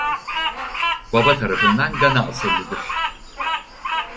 Baba tarafından Gana asıllıdır.